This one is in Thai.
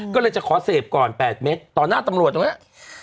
ก็เลยจะขอเสพก่อน๘เม็ดต่อหน้าตำรวจตรงนี้